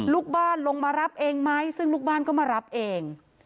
ลูกบ้านลงมารับเองไหมซึ่งลูกบ้านก็มารับเอง